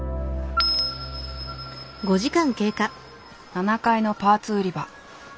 ７階のパーツ売り場。